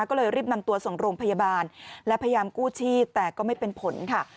ก็เลยรีบนำตัวส่งโรงพยาบาลและพยายามกู้ชีพแต่ก็ไม่เป็นผลค่ะ